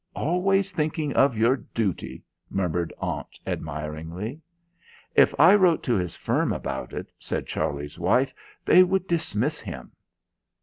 "Always thinking of your duty!" murmured Aunt admiringly. "If I wrote to his firm about it," said Charlie's wife, "they would dismiss him."